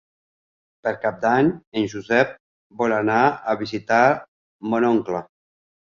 Per Cap d'Any en Josep vol anar a visitar mon oncle.